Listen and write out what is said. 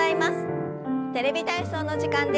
「テレビ体操」の時間です。